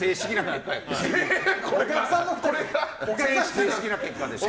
正式な結果でしょ。